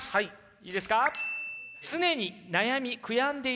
いいですか？